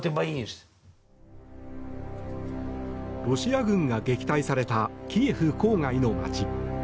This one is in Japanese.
ロシア軍が撃退されたキエフ郊外の街。